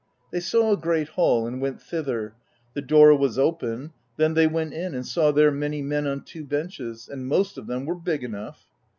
They saw a great hall and went thither; the door was open; then they went in, and saw there many men on two benches, and most of them were big enough.